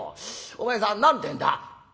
お前さん何てんだ？」。